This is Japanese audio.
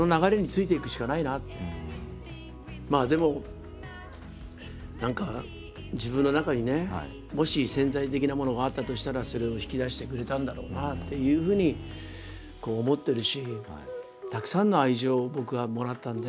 まあでも何か自分の中にねもし潜在的なものがあったとしたらそれを引き出してくれたんだろうなっていうふうに思ってるし。